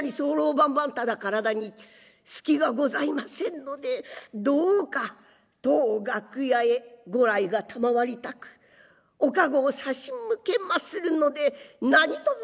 ばんばんただ体に隙がございませんのでどうか当楽屋へご来が賜りたくお駕籠を差し向けまするので何とぞ